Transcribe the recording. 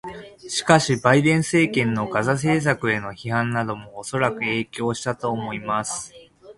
しかし、バイデン政権のガザ政策への批判などもおそらく影響したと思います。